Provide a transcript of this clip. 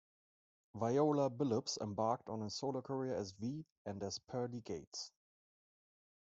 Viola Billups embarked on a solo career as Vie and as Pearly Gates.